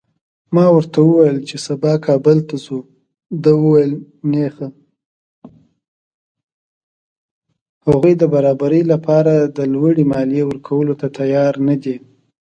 هغوی د برابرۍ له پاره د لوړې مالیې ورکولو ته تیار نه دي.